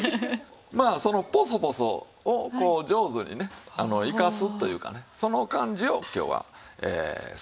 まあそのポソポソをこう上手にね生かすというかねその感じを今日は３品作りますから。